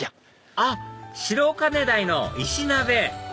あっ白金台の石鍋！